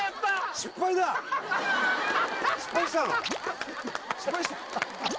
失敗した？